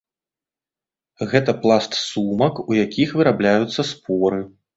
Гэта пласт сумак, у якіх вырабляюцца споры.